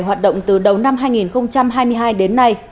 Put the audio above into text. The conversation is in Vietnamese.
hoạt động từ đầu năm hai nghìn hai mươi hai đến nay